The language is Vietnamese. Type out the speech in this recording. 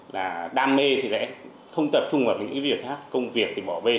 là đam mê thì sẽ không tập trung vào những việc khác